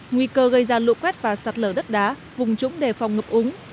nguy cơ gây ra lũ quét và sạt lở đất đá vùng trũng đề phòng ngập úng